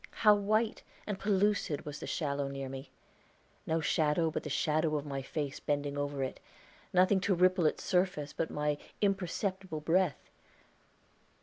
How white and pellucid was the shallow near me no shadow but the shadow of my face bending over it nothing to ripple its surface, but my imperceptible breath!